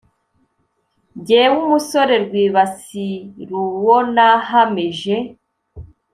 Jyewe umusore Rwibasiruwonahamije.